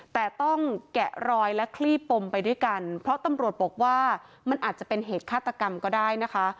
แต่ต้องแกะรอยและคลี่ปมไปด้วยกันเพราะตำรวจบอกว่ามันอาจจะเป็นเหตุฆาตกรรมก็ได้นะคะ